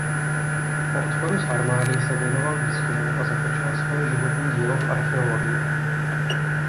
Po odchodu z armády se věnoval výzkumu a započal svoje životní dílo v archeologii.